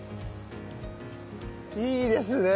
いいですね。